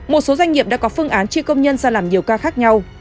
một số doanh nghiệp đã có phương án chi công nhân ra làm nhiều ca khác nhau